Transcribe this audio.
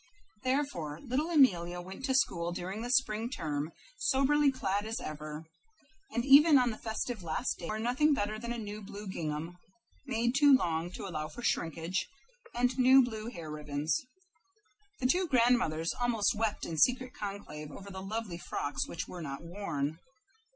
Therefore, little Amelia went to school during the spring term soberly clad as ever, and even on the festive last day wore nothing better than a new blue gingham, made too long, to allow for shrinkage, and new blue hair ribbons. The two grandmothers almost wept in secret conclave over the lovely frocks which were not worn.